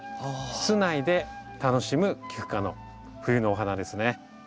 室内で楽しむキク科の冬のお花ですね。